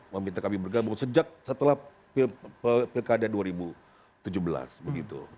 meminta kami bergabung sejak setelah pilkada dua ribu tujuh belas begitu